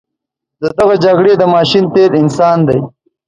د دغه جګړې د ماشین تیل انسان دی.